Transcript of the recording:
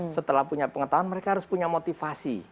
setelah punya pengetahuan mereka harus punya motivasi